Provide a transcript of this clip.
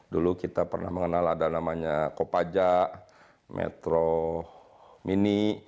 dulu kita pernah mengenal ada namanya kopaja metro mini